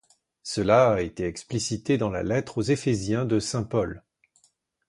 Cela a été explicité dans la lettre aux Éphésiens de saint Paul.